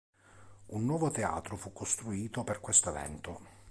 Un nuovo teatro fu costruito per questo evento.